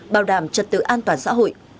bảo đảm trật tự an toàn xã hội